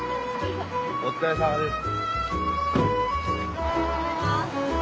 お疲れさまです。